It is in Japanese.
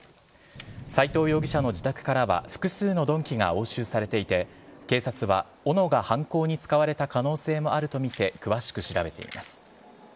斎藤容疑者の自宅からは複数の鈍器が押収されていて、警察はおのが犯行に使われた可能性もあると見て詳しく調べています。